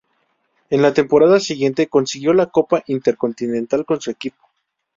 En la temporada siguiente consiguió la Copa Intercontinental con su equipo.